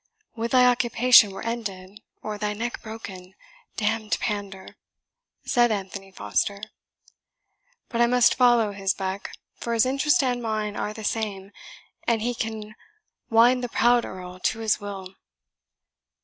"Would thy occupation were ended, or thy neck broken, damned pander!" said Anthony Foster. "But I must follow his beck, for his interest and mine are the same, and he can wind the proud Earl to his will.